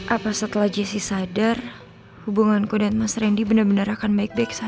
apa setelah jesse sadar hubunganku dan mas randy benar benar akan baik baik saja